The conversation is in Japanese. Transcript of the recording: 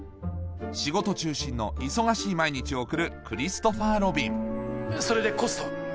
仕事中心の忙しい毎日を送るクリストファー・ロビンそれでコストは？